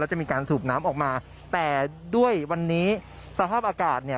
จะมีการสูบน้ำออกมาแต่ด้วยวันนี้สภาพอากาศเนี่ย